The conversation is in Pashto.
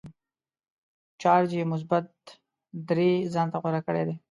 چارج یې مثبت درې ځانته غوره کړی دی.